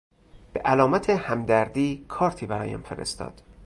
به علامت همدردی کارتی برایم فرستاد.